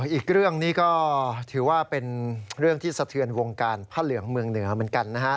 อีกเรื่องนี้ก็ถือว่าเป็นเรื่องที่สะเทือนวงการผ้าเหลืองเมืองเหนือเหมือนกันนะครับ